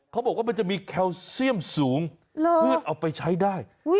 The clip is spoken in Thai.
เขาบอกว่ามันจะมีแคลเซียมสูงเพื่อเอาไปใช้ได้